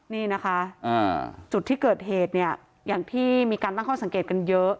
นี่นะคะจุดที่เกิดเหตุเนี่ยอย่างที่มีการตั้งข้อสังเกตกันเยอะ